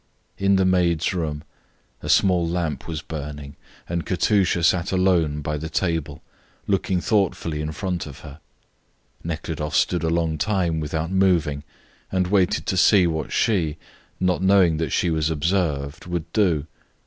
In the maids' room a small lamp was burning, and Katusha sat alone by the table, looking thoughtfully in front of her. Nekhludoff stood a long time without moving and waited to see what she, not knowing that she was observed, would do.